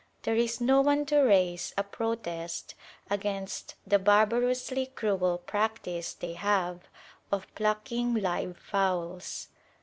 There is no one to raise a protest against the barbarously cruel practice they have of plucking live fowls.